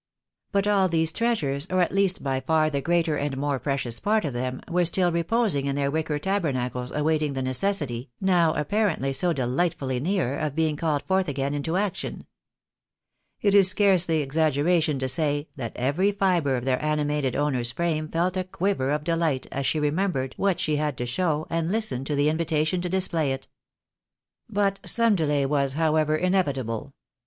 But all these treasures, or at least by far the greater and more precious part of them, were still reposing in their wicker tabernacles awaiting the necessity, now apparently so delightfully near, of being called forth again into action. It is scarcely exaggeration to say, that every fibre of their animated owner's frame felt a quiver of deUght as she remembered what she had to show, and listened to the invitation to display it. But some delay was, however, inevit able.